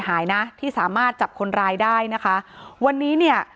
อ๋อเจ้าสีสุข่าวของสิ้นพอได้ด้วย